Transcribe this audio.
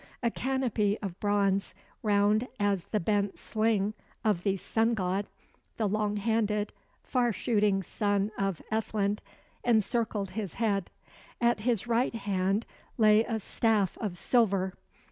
A canopy of bronze, round as the bent sling of the Sun god, the long handed, far shooting son of Ethlend, encircled his head. At his right hand lay a staff of silver.